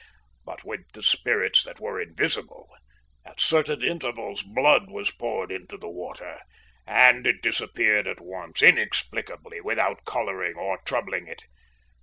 But with the spirits that were invisible, at certain intervals blood was poured into the water; and it disappeared at once, inexplicably, without colouring or troubling it.